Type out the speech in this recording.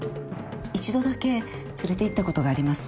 一度だけ連れていったことがあります